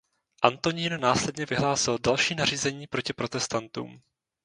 Antonín následně vyhlásil další nařízení proti protestantům.